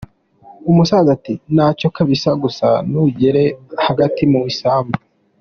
Umusaza ati "nta cyo kabisa gusa ntugere hagati mu isambu.